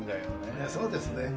いやそうですね。